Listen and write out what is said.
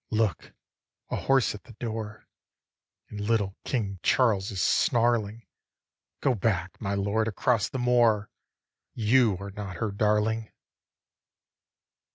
8. Look, a horse at the door, And little King Charles is snarling, Go back, my lord, across the moor, You are not her darling.